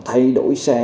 thay đổi xe